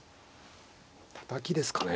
たたきですかね